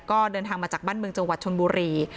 ก็เดินทางมาจากบ้านเมืองจังหวัดชนบุรี